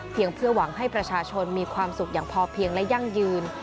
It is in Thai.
เพื่อหวังให้ประชาชนมีความสุขอย่างพอเพียงและยั่งยืน